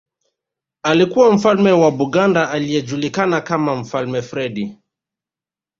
Alikuwa Mfalme wa Buganda anayejulikana kama Mfalme Freddie